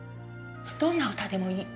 どんな歌でもいい。